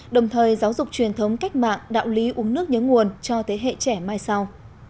đồng thời giáo dục truyền thống cách mạng đạo lý uống nước nhớ nguồn cho thế hệ trẻ mai sau